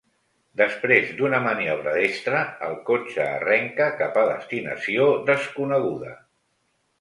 Després d'una maniobra destra, el cotxe arrenca cap a destinació desconeguda.